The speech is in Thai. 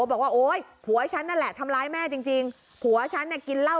บอกว่าโอ๊ยผัวฉันนั่นแหละทำร้ายแม่จริงจริงผัวฉันเนี่ยกินเหล้า